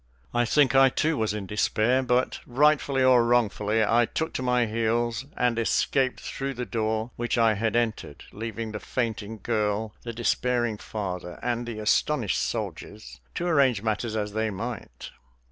I think I too was in despair, but, rightfully or wrongfully, I took to my heels and escaped through the door which I had entered, leaving the fainting girl, the despairing father, and the astonished soldiers to arrange matters as they might.